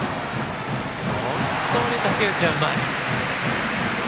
本当に竹内はうまい。